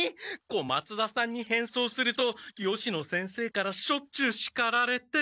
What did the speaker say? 小松田さんに変装すると吉野先生からしょっちゅうしかられて。